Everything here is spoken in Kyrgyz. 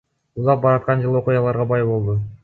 Узап бараткан жыл окуяларга бай болду.